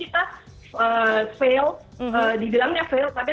dibilangnya fail tapi kemudian berhasil atau sebaliknya dibilangnya berhasil kemudian fail